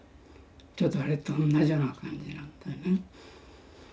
ちょうどあれと同じような感じなんだよね。